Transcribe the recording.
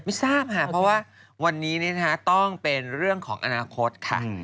ทราบค่ะเพราะว่าวันนี้ต้องเป็นเรื่องของอนาคตค่ะ